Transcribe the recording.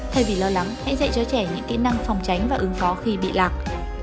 thay vì lo lắng hãy dạy cho trẻ những kỹ năng phòng tránh và ứng phó khi bị lạc